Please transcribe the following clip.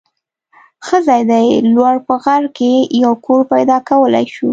ښه ځای دی. لوړ په غر کې یو کور پیدا کولای شو.